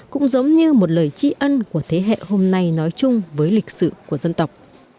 cũng giống như một lời tri ân của thế hệ hôm nay nói chung với lịch sử của dân tộc